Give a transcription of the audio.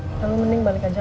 oke lalu mending balik aja